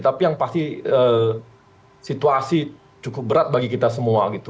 tapi yang pasti situasi cukup berat bagi kita semua gitu